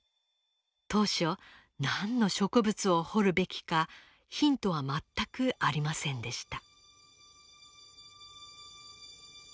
当初何の植物を彫るべきかヒントは全くありませんでした。